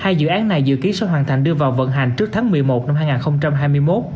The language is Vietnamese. hai dự án này dự kiến sẽ hoàn thành đưa vào vận hành trước tháng một mươi một năm hai nghìn hai mươi một